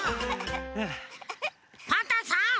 パンタンさん